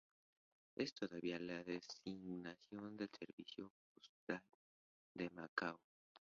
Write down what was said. Es todavía la designación del Servicio Postal de Macao.